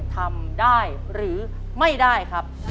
ทำได้หรือไม่ได้ครับ